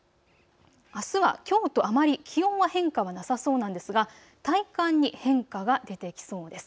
あすはきょうとあまり気温は変化はなさそうなんですが体感に変化が出てきそうです。